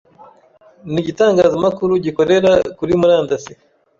ni igitangazamakuru gikorera kuri murandasi